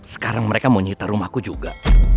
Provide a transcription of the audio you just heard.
sekarang mereka mau nyita rumahku juga